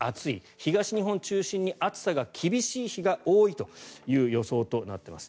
東日本を中心に暑さが厳しい日が多いという予想となっています。